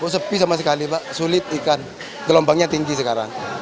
sepi sama sekali pak sulit ikan gelombangnya tinggi sekarang